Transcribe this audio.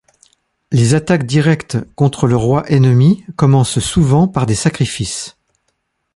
Les attaques directes contre le roi ennemi commencent souvent par des sacrifices.